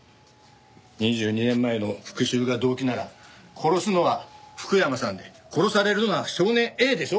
２２年前の復讐が動機なら殺すのは福山さんで殺されるのは少年Ａでしょ？